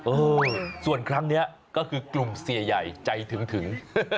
เออส่วนครั้งนี้ก็คือกลุ่มเสียใหญ่ใจถึง